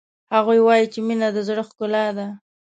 هغوی وایي چې مینه د زړه ښکلا ده